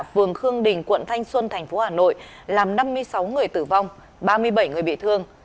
phường khương đình quận thanh xuân tp hà nội làm năm mươi sáu người tử vong ba mươi bảy người bị thương